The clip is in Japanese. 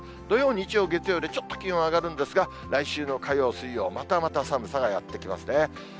土曜、日曜、月曜でちょっと気温上がるんですが、来週の火曜、水曜、またまた寒さがやって来ますね。